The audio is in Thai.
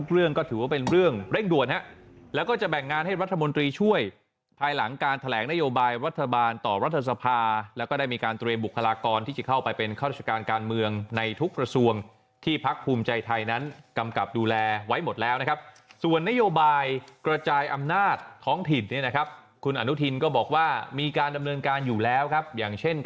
เรื่องก็ถือว่าเป็นเรื่องเร่งด่วนฮะแล้วก็จะแบ่งงานให้รัฐมนตรีช่วยภายหลังการแถลงนโยบายรัฐบาลต่อรัฐสภาแล้วก็ได้มีการเตรียมบุคลากรที่จะเข้าไปเป็นข้าราชการการเมืองในทุกกระทรวงที่พักภูมิใจไทยนั้นกำกับดูแลไว้หมดแล้วนะครับส่วนนโยบายกระจายอำนาจท้องถิ่นเนี่ยนะครับคุณอนุทินก็บอกว่ามีการดำเนินการอยู่แล้วครับอย่างเช่น